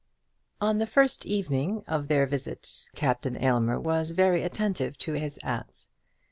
On the first evening of their visit Captain Aylmer was very attentive to his aunt.